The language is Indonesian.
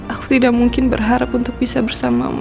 aku tidak mungkin berharap untuk bisa bersamamu